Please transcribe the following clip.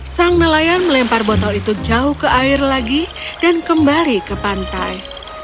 sang nelayan melempar botol itu jauh ke air lagi dan kembali ke pantai